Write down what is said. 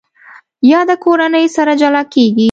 یاده کورنۍ سره جلا کېږي.